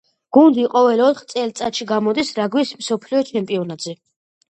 გუნდი ყოველ ოთხ წელიწადში გამოდის რაგბის მსოფლიო ჩემპიონატზე.